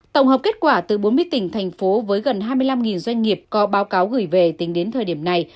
tổng hợp kết quả từ bốn mươi tỉnh thành phố với gần hai mươi năm doanh nghiệp có báo cáo gửi về tính đến thời điểm này